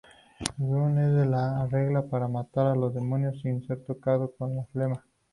Gunn se las arregla para matar al demonio sin ser tocado por la flema.